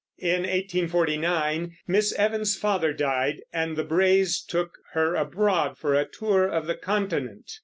In 1849 Miss Evans's father died, and the Brays took her abroad for a tour of the continent.